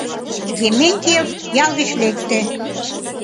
Дементьев ял гыч лекте.